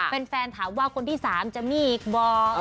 แฟนถามว่าคนที่๓จะมีอีกบอก